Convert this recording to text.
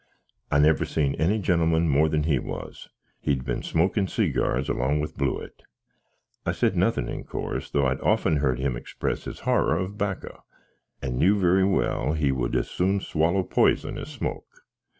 I never see any genlmn more than he was; he'd been smoakin seagars along with Blewitt. I said nothink, in course, tho' I'd often heard him xpress his horrow of backo, and knew very well he would as soon swallow pizon as smoke.